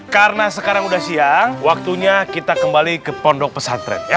karena sekarang udah siang waktunya kita kembali ke pondok pesantren ya